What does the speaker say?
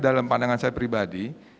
dalam pandangan saya pribadi